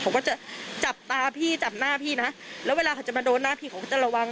เขาก็จะจับตาพี่จับหน้าพี่นะแล้วเวลาเขาจะมาโดนหน้าพี่เขาก็จะระวัง